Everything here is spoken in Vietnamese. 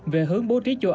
về hướng bố trí chủng